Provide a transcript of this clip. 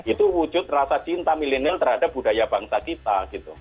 itu wujud rasa cinta milenial terhadap budaya bangsa kita